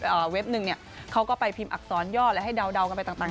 เอ่อเว็บหนึ่งเนี่ยเขาก็ไปพิมพ์อักษรย่อแล้วให้เดากันไปต่างต่าง